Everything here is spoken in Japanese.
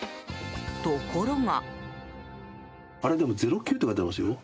ところが。